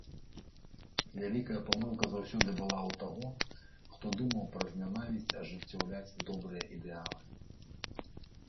Вялікая памылка заўсёды была ў таго, хто думаў праз нянавісць ажыццяўляць добрыя ідэалы.